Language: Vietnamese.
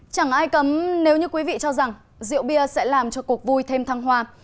chẳng ai cấm nếu như quý vị cho rằng rượu bia sẽ làm cho cuộc vui thêm thăng hoa